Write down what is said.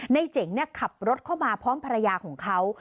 เจ๋งขับรถเข้ามาพร้อมภรรยาของเขา